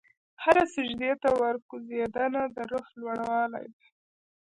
هره سجدې ته ورکوځېدنه، د روح لوړوالی دی.